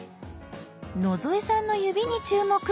野添さんの指に注目！